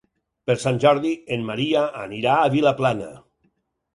Per Sant Jordi en Maria anirà a Vilaplana.